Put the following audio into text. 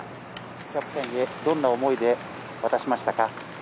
キャプテンへどんな思いで渡しましたか。